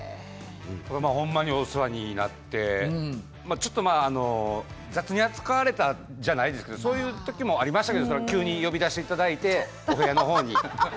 ほんまにお世話になって、ちょっとまあ、雑に扱われたじゃないですけど、そういうときもありましたけど、急に呼び出していただいて、お部屋のほうに。